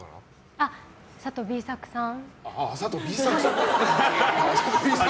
ああ、佐藤Ｂ作さん。